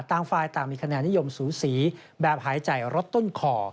ต่างฝ่ายต่างมีคะแนนนิยมสูสีแบบหายใจลดต้นคอ